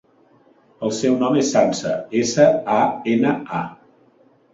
El meu nom és Sança: essa, a, ena, a.